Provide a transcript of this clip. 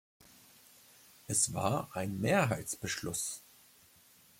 Es war ein Mehrheitsbeschluss.